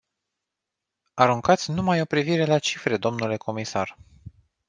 Aruncați numai o privire la cifre, dle comisar.